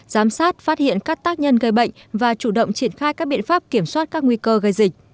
giám sát phát hiện các tác nhân gây bệnh và chủ động triển khai các biện pháp kiểm soát các nguy cơ gây dịch